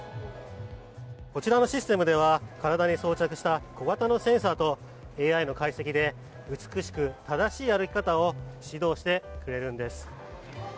こちらのシステムでは体に装着した小型のセンサーとＡＩの解析で美しく正しい歩き方を指導してくれるんです。